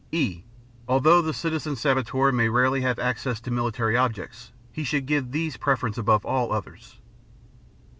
(e) Although the citizen saboteur may rarely have access to military objects, he should give these preference above all others.